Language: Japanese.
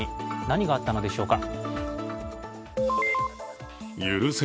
何があったのでしょうか。